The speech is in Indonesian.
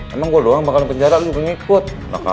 emang gue doang bakalan penjara lu belum ikut